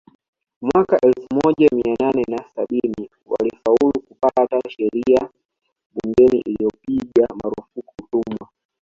Mwaka elfu moja mia nane na saba walifaulu kupata sheria bungeni iliyopiga marufuku utumwa